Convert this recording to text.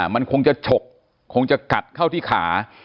มันคงจะฉกคงจะกัดเข้าที่ขา